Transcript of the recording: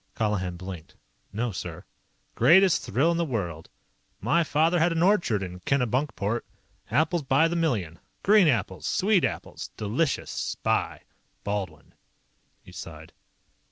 Colihan blinked. "No, sir." "Greatest thrill in the world. My father had an orchard in Kennebunkport. Apples by the million. Green apples. Sweet apples. Delicious. Spy. Baldwin." He sighed.